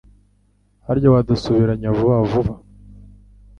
Harya wadusubiranya vuba vuba